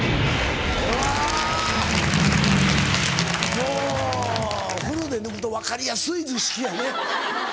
もうフルで抜くと分かりやすい図式やね。